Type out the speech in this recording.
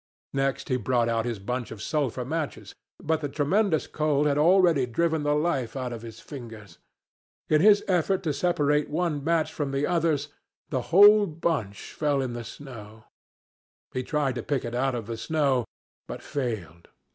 Next he brought out his bunch of sulphur matches. But the tremendous cold had already driven the life out of his fingers. In his effort to separate one match from the others, the whole bunch fell in the snow. He tried to pick it out of the snow, but failed.